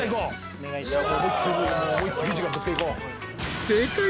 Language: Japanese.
お願いします。